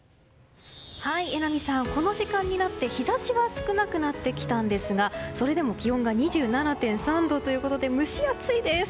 榎並さん、この時間になって日差しは少なくなってきたんですがそれでも気温が２７．３度ということで蒸し暑いです。